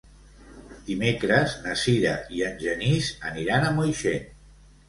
Dimecres na Sira i en Genís aniran a Moixent.